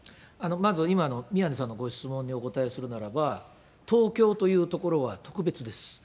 まず今の宮根さんのご質問にお答えするならば、東京という所は特別です。